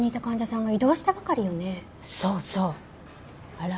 あら。